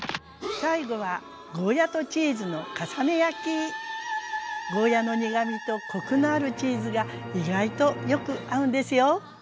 最後はゴーヤーの苦みとコクのあるチーズが意外とよく合うんですよ。